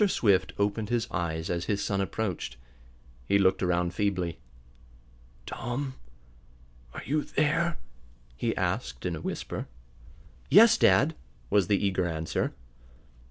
Swift opened his eyes as his son approached. He looked around feebly. "Tom are you there?" he asked in a whisper. "Yes, dad," was the eager answer.